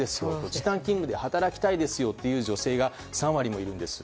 時短勤務で働きたいですよという女性が３割もいるんです。